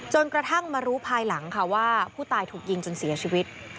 กระทั่งมารู้ภายหลังค่ะว่าผู้ตายถูกยิงจนเสียชีวิต